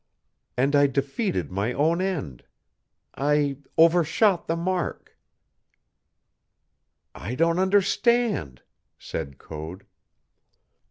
And I defeated my own end. I overshot the mark." "I don't understand," said Code.